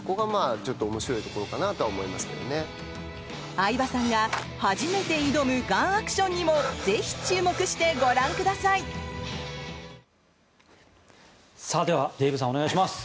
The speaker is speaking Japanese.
相葉さんが初めて挑むガンアクションにもぜひ注目してご覧ください！ではデーブさんお願いします。